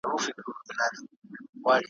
نیلی مړ سو دښمن مات سو تښتېدلی `